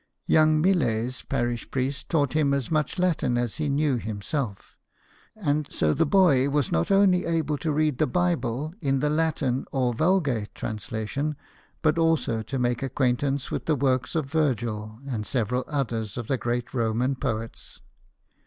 Young Millet's parish priest taught him as much Latin as he knew himself; and so the boy was not onjy able to read the Bible in the Latin or Vulgate translation, but also to make acquaintance with the works of Virgil and several others of the great Roman poets.